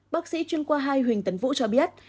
bác sĩ chuyên khoa hai huỳnh tấn vũ cho biết